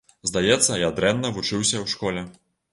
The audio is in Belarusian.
Здаецца, я дрэнна вучыўся ў школе.